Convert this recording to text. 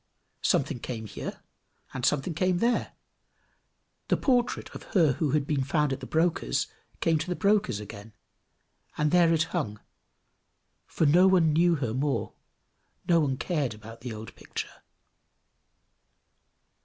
Something came here, and something came there; the portrait of her who had been found at the broker's came to the broker's again; and there it hung, for no one knew her more no one cared about the old picture.